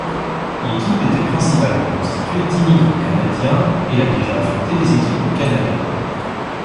L'équipe était principalement constituée d'immigrants canadiens et a déjà affronté des équipes du Canada.